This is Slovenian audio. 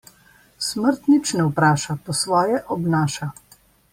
Smrt nič ne vpraša, po svoje odnaša.